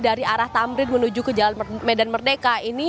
dari arah tamrin menuju ke jalan medan merdeka